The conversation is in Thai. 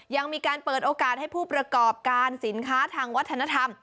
ยังมีการเปิดโอกาสให้ผู้ประกอบการสินค้าทางวัฒนธรรม